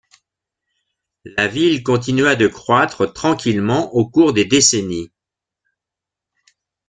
La ville continua de croître tranquillement au cours des décennies.